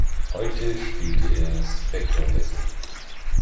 Heute spielt er Spector-Bässe.